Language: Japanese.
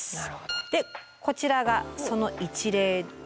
でこちらがその一例なんですね。